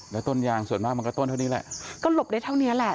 แล้วต้นยางส่วนมากมันก็ต้นเท่านี้แหละก็หลบได้เท่านี้แหละ